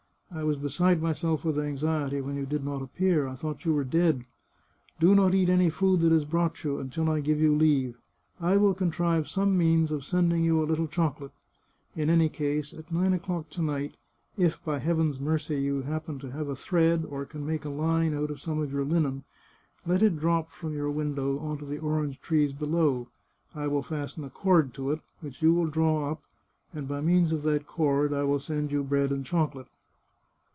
I was beside myself with anxiety when you did not appear ; I thought you were dead ! Do not eat any food that is brought you, until I give you leave. I will contrive some means of sending you a little chocolate. In any case, at nine o'clock to night, if, by Heaven's mercy, you happen to have a thread, or can make a line out of some of your linen, let it drop from your window on to the orange trees below. I will fasten a cord to it, which you will draw up, and by means of that cord I will send you bread and chocolate."